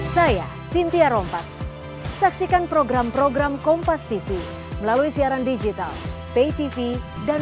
saya cynthia rompas saksikan program program kompas tv melalui siaran digital pay tv dan